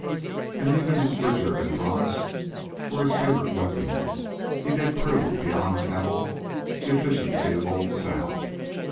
And even as Bridger had promised for his favorite weapon, he did prove beyond cavil the efficiency of Old Sal.